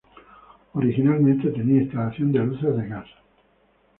Originalmente, tenía instalación de luces de gas.